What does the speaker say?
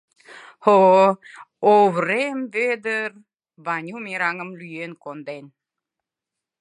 О-о-о, Оврем Ведыр Ваню мераҥым лӱен конден!»